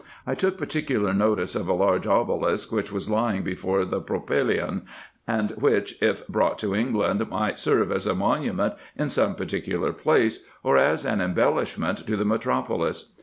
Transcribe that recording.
I took particular notice of a large obelisk which was lying before the propylaeon, and which, if brought to England, might serve as a monument in some particular place, or as an embellishment to the metropolis.